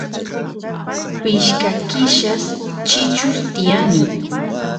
pishka killas chichus tiyani